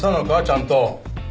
ちゃんと。